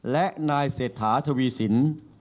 และนายเศรษฐาทวีสิน